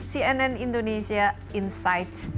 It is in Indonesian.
cnn indonesia insight